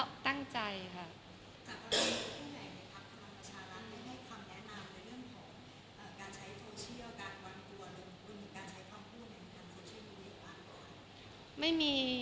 ในการใช้โทรเชียลมีความพูด